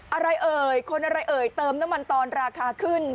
เอ่ยคนอะไรเอ่ยเติมน้ำมันตอนราคาขึ้น